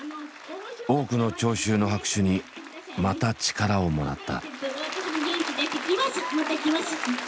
多くの聴衆の拍手にまた力をもらった。